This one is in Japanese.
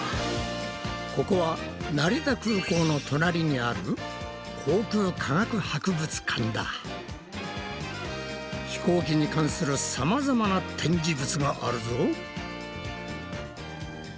ここは成田空港の隣にある飛行機に関するさまざまな展示物があるぞ。